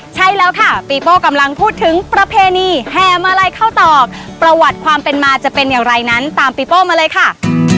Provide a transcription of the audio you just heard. ใช่แล้วค่ะปีโป้กำลังพูดถึงประเพณีแห่มาลัยเข้าตอกประวัติความเป็นมาจะเป็นอย่างไรนั้นตามปีโป้มาเลยค่ะ